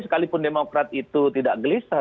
sekalipun demokrat itu tidak gelisah